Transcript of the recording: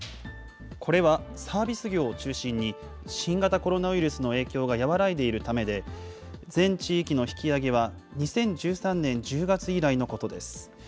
これはサービス業を中心に、新型コロナウイルスの影響が和らいでいるためで、全地域の引き上げは、２０１３年１０月以来のことです。